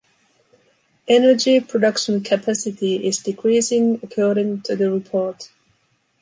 Energy production capacity is decreasing according to the report.